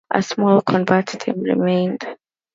A small covert team remained.